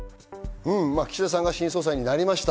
岸田さんが新総裁になりました。